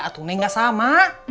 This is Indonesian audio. ah tu neng gak sama